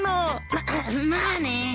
ままあね。